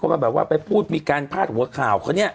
เขาก็แบบว่าไปพูดมีการพลาดหัวข่าว